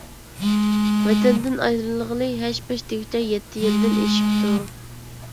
ۋەتەندىن ئايرىلغىلى ھەش-پەش دېگۈچە يەتتە يىلدىن ئېشىپتۇ.